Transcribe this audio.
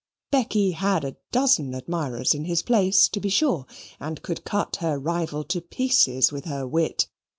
Becky had a dozen admirers in his place, to be sure, and could cut her rival to pieces with her wit.